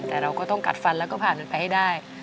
แต่เราก็ต้องกัดฟันแล้วก็ผ่านมันไปให้ได้